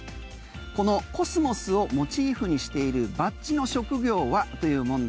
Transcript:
このコスモスをモチーフにしているバッジの職業はという問題。